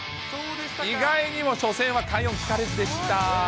意外にも初戦は快音聞かれずでした。